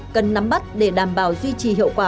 cần nắm bắt để đảm bảo duy trì hiệu quả